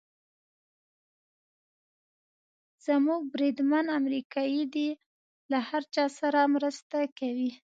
زموږ بریدمن امریکایي دی، له هر چا سره مرسته کوي.